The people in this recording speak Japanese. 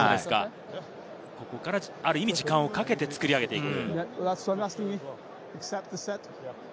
ここから時間をかけて作り上げていく。